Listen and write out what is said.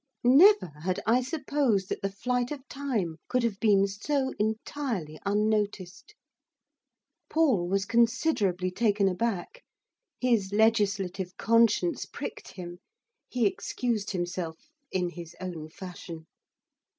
Never had I supposed that the flight of time could have been so entirely unnoticed. Paul was considerably taken aback. His legislative conscience pricked him. He excused himself in his own fashion.